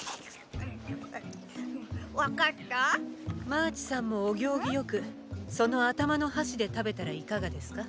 マーチさんもお行儀よくその頭の箸で食べたらいかがですか？